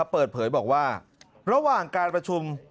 เปิดเผยบอกว่าระหว่างการประชุม